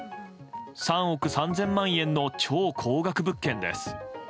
３億３０００万円の超高額物件です。